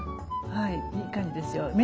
はいいい感じですよ。